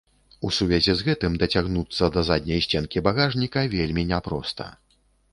У сувязі з гэтым дацягнуцца да задняй сценкі багажніка вельмі няпроста.